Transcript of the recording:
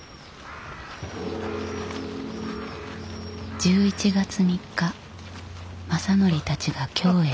１１月３日政範たちが京へ入る。